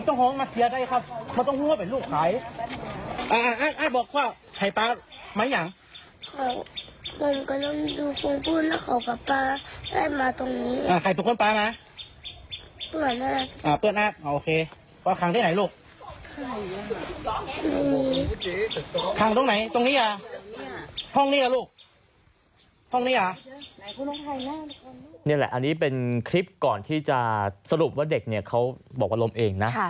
นี่แหละอันนี้เป็นคลิปก่อนที่จะสรุปว่าเด็กเนี่ยเขาบอกว่าล้มเองนะ